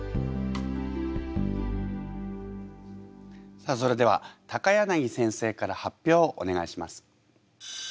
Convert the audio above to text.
さあそれでは柳先生から発表をお願いします。